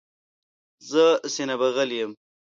زه سینه بغل یم.